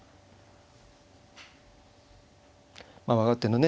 まあ若手のね